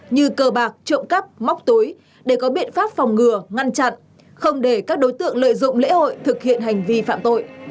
như cờ bạc trộm cắp móc túi để có biện pháp phòng ngừa ngăn chặn không để các đối tượng lợi dụng lễ hội thực hiện hành vi phạm tội